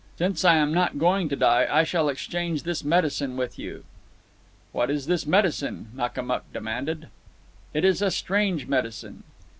Since I am not going to die, I shall exchange this medicine with you." "What is this medicine?" Makamuk demanded. "It is a strange medicine."